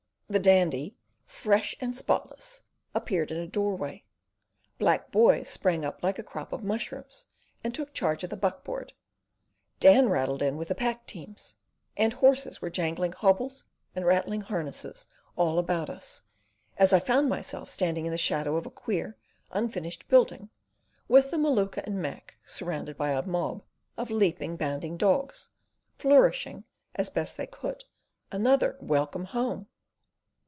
The Dandy, fresh and spotless, appeared in a doorway; black boys sprang up like a crop of mushrooms and took charge of the buck board; Dan rattled in with the pack teams, and horses were jangling hobbles and rattling harness all about us, as I found myself standing in the shadow of a queer, unfinished building, with the Maluka and Mac surrounded by a mob of leaping, bounding dogs, flourishing, as best they could, another "Welcome home!"